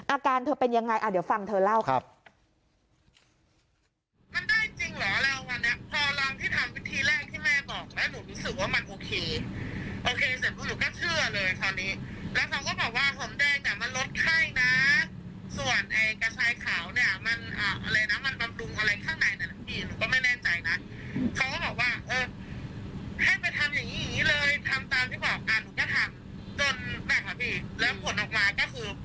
อาการเธอเป็นยังไงเดี๋ยวฟังเธอเล่าครับ